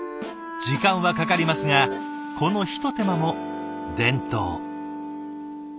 時間はかかりますがこのひと手間も伝統。